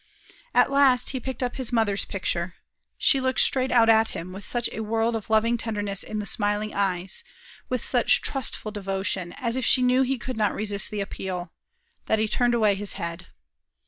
At last he picked up his mother's picture. She looked straight out at him, with such a world of loving tenderness in the smiling eyes, with such trustful devotion, as if she knew he could not resist the appeal, that he turned away his head.